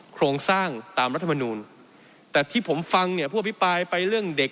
โครงสร้างตามรัฐมนูลแต่ที่ผมฟังเนี่ยผู้อภิปรายไปเรื่องเด็ก